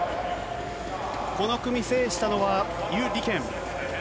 この組制したのは兪李ケン。